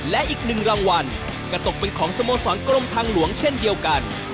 และอีกหนึ่งรางวัลก็ตกเป็นของสโมสรกรมทางหลวงเช่นเดียวกัน